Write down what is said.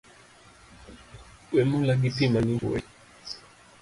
Wemula gipi mang’ich wuoyi